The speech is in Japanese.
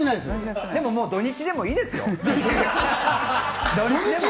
でも土日でもいいですよ。